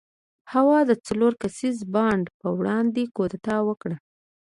هوا د څلور کسیز بانډ پر وړاندې کودتا وکړه.